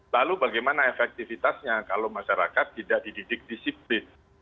lalu bagaimana efektivitasnya kalau masyarakat tidak dididik disiplin